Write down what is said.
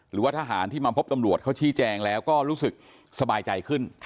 หรือว่าทหารที่มาพบตำรวจเขาชี้แจงแล้วก็รู้สึกสบายใจขึ้น